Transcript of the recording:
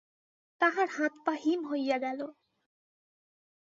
তাহার হাত পা হিম হইয়া গেল!